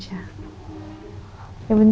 masih jangan mengunggumin aku dong